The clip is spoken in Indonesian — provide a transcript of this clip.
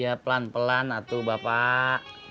ya pelan pelan atu bapak